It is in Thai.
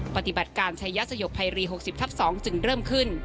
ปฏิบัติการชายสยบภัยรี๖๐ทับ๒จึงเริ่มขึ้น